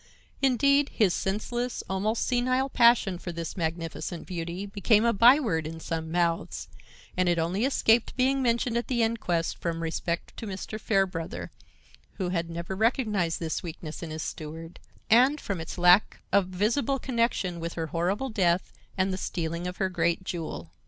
Indeed, his senseless, almost senile passion for this magnificent beauty became a by word in some mouths, and it only escaped being mentioned at the inquest from respect to Mr. Fairbrother, who had never recognized this weakness in his steward, and from its lack of visible connection with her horrible death and the stealing of her great jewel.